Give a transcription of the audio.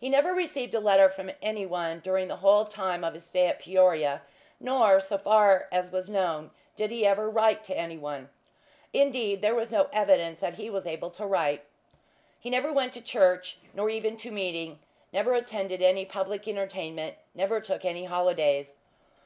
He never received a letter from any one during the whole time of his stay at Peoria; nor, so far as was known, did he ever write to any one. Indeed, there was no evidence that he was able to write. He never went to church, nor even to "meeting;" never attended any public entertainment; never took any holidays.